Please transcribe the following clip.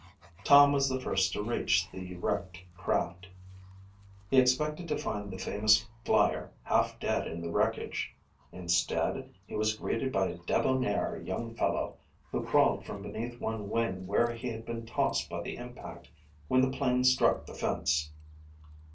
Tom was the first to reach the wrecked craft. He expected to find the famous flyer half dead in the wreckage. Instead, he was greeted by a debonair young fellow who crawled from beneath one wing where he had been tossed by the impact when the plane struck the fence.